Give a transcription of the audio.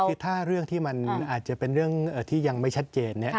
คือถ้าเรื่องที่มันอาจจะเป็นเรื่องที่ยังไม่ชัดเจน